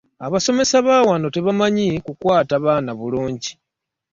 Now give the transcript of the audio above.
Abasomesa baawano tebamanyi kukwaata baana bulungi.